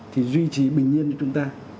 thì duy trì bình nhiên cho chúng ta